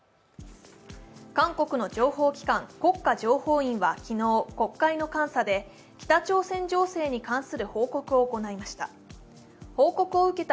韓国の情報機関・国家情報院は昨日国会の監査で北朝鮮情勢に関する報告を行いました。